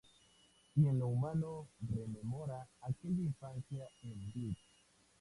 Y en lo humano rememora aquella infancia en Beas.